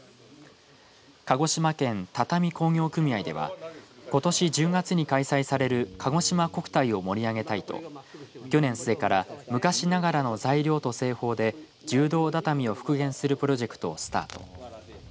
鹿児島県畳工業組合ではことし１０月に開催されるかごしま国体を盛り上げたいと去年末から昔ながらの材料と製法で柔道畳を復元するプロジェクトをスタート。